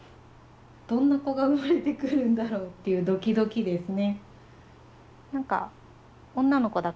どんな子が生まれてくるんだろうっていうドキドキですね。